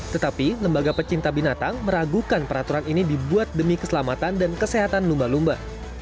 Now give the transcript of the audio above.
tetapi lembaga pecinta binatang meragukan peraturan ini dibuat demi keselamatan dan kesehatan lumba lumba